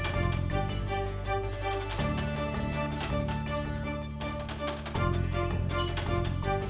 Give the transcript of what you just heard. terima kasih pak ismail